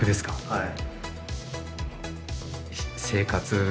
はい。